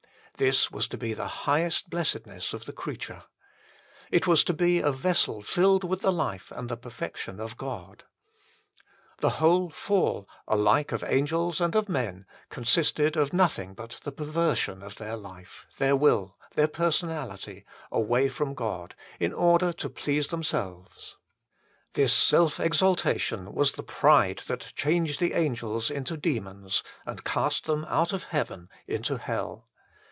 This was to be the highest blessed ness of the creature. It was to be a vessel filled with the life and the perfection of God. HOW THE BLESSING IS HINDERED 69 The whole Fall alike of angels and of inert consisted of nothing but the perversion of their life, their will, their personality, away from God, in order to please themselves. This self exaltation was the pride that changed the angels into demons and cast them out of heaven into hell.